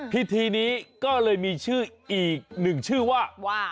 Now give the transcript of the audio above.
พิธีนี้ก็เลยมีชื่ออีกหนึ่งชื่อว่า